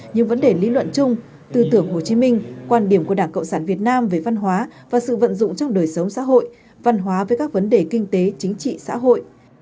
những vấn đề lý luận chung tư tưởng hồ chí minh quan điểm của đảng cộng sản việt nam về văn hóa và sự vận dụng trong đời sống xã hội văn hóa với các vấn đề kinh tế chính trị xã hội